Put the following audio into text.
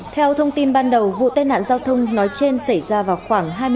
theo thông tin ban đầu vụ tai nạn giao thông nói trên xảy ra vào khoảng